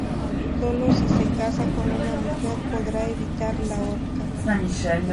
Solo si se casa con una mujer podrá evitar la horca.